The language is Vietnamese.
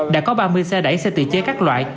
đã có ba mươi xe đẩy xe tự chế các loại